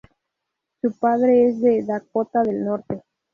Su padre es de Dakota del Norte.